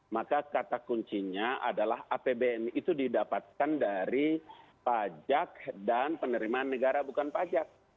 maka kata kuncinya adalah apbn itu didapatkan dari pajak dan penerimaan negara bukan pajak